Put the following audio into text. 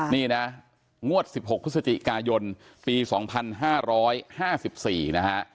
นี่นะงวด๑๖พฤศจิกายนปี๒๕๕๔นะฮะ